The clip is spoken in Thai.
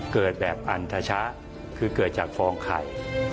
เกิดแบบอันทชะคือเกิดจากฟองไข่